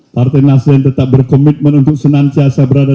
partai nasdem tetap berkomitmen untuk senantiasa berada